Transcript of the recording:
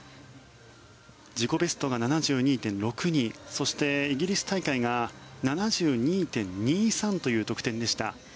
自己ベストが７２．６２そしてイギリス大会が７２．２３という得点でした。